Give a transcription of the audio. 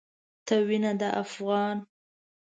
ته وينه د افغان